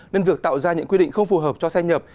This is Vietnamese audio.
nên việc tạo ra những quy định không phù hợp cho xe nhập